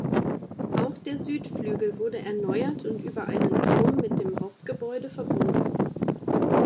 Auch der Südflügel wurde erneuert und über einen Turm mit dem Hauptgebäude verbunden.